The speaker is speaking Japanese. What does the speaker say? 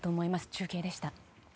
中継でした。